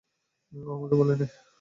ও আমাকে বলেনি।